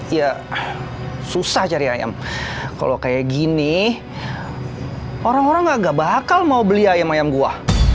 ya susah cari ayam kalau kayak gini orang orang agak bakal mau beli ayam ayam buah